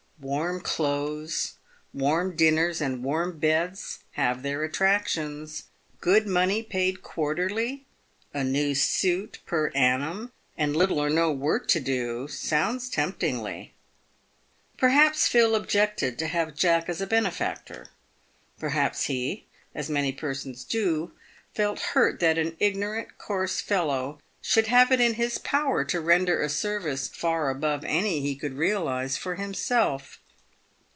Warm clothes, warm dinners, and warm beds, have their attractions. Good money paid quarterly, a new suit per annum, and little or no work to do, sounds temptingly. Perhaps Phil objected to have .Tack as a benefactor. Perhaps he — as many persons do — felt hurt that an igno rant, coarse fellow should have it in his power to render a service far above any he could realise for himself.